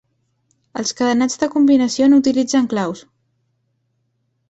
Els cadenats de combinació no utilitzen claus.